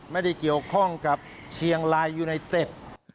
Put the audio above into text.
ไม่ได้เกี่ยวข้องกับเชียงรายยูไนเต็ป